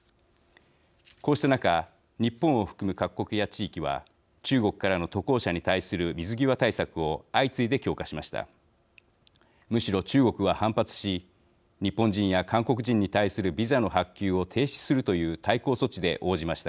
こうした中、日本を含む各国や地域は、中国からの渡航者に対する水際対策を相次いで強化しました。